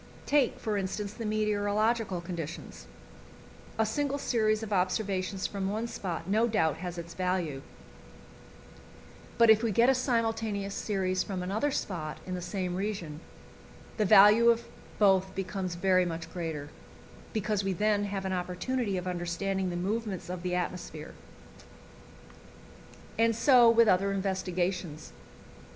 Take, for instance, the meteorological conditions: a single series of observations from one spot no doubt has its value, but if we get a simultaneous series from another spot in the same region, the value of both becomes very much greater, because we then have an opportunity of understanding the movements of the atmosphere. And so with other investigations.